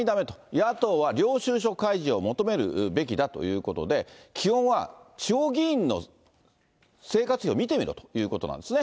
野党は領収書開示を求めるべきだということで、基本は地方議員の生活費を見てみろということなんですね。